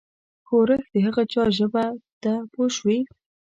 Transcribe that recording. ښورښ د هغه چا ژبه ده پوه شوې!.